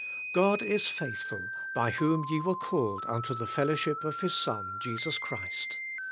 'God is faithful, by whom ye were called unto the fellow ship of His Son Jesus Christ.'